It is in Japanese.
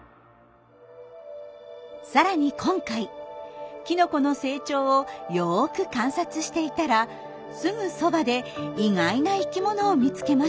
さらに今回きのこの成長をよく観察していたらすぐそばで意外な生きものを見つけました。